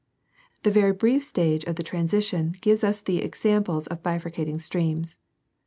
The very brief stage of transition gives us the rare examples of bifurcating streams.